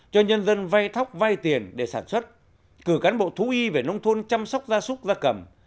cho nhân dân vay thóc vay tiền để sản xuất cử cán bộ thú y về nông thôn chăm sóc gia súc gia cầm